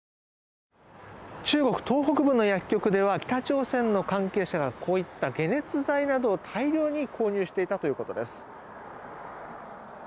中国東北部の薬局では北朝鮮の関係者がこういった解熱剤などを大量に購入していたということです。